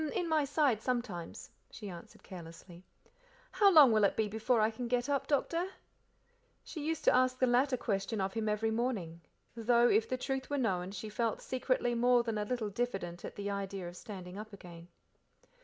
"H'm, in my side sometimes," she answered carelessly. "How long will it be before I can get up, Doctor?" She used to ask the latter question of him every morning, though, if the truth were known, she felt secretly more than a little diffident at the idea of standing up again.